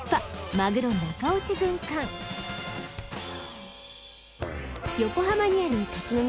マグロ中落ち軍艦横浜にある立ち飲み